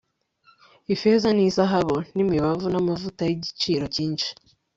ifeza n'izahabu n'imibavu n'amavuta y'igiciro cyinshi